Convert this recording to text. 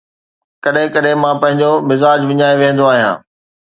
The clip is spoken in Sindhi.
ڪڏهن ڪڏهن مان پنهنجو مزاج وڃائي ويهندو آهيان